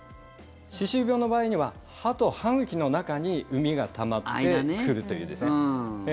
歯周病の場合には歯と歯茎の中に、うみがたまってくるというですね。